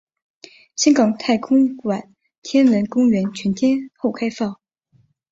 香港太空馆天文公园全天候开放。